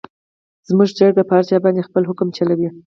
زموږ چرګه په هر چا باندې خپل حکم چلوي.